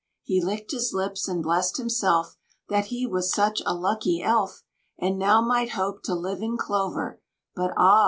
He licked his lips and blessed himself, That he was such a lucky Elf, And now might hope to live in clover; But, ah!